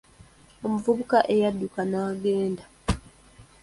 Omuvubuka eyadduka n'agenda.